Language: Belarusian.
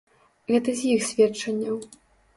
Гэта з іх сведчанняў.